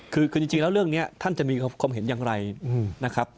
คือจริงแล้วเรื่องนี้ท่านจะมีความเห็นอย่างไรนะครับ